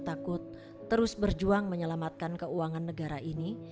takut terus berjuang menyelamatkan keuangan negara ini